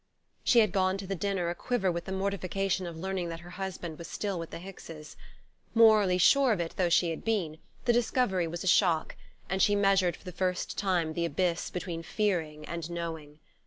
She had gone to the dinner a quiver with the mortification of learning that her husband was still with the Hickses. Morally sure of it though she had been, the discovery was a shock, and she measured for the first time the abyss between fearing and knowing.